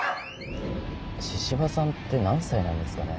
神々さんって何歳なんですかね？